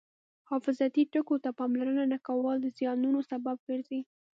حفاظتي ټکو ته پاملرنه نه کول د زیانونو سبب ګرځي.